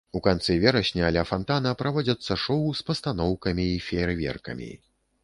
У канцы верасня ля фантана праводзяцца шоу з пастаноўкамі і феерверкам.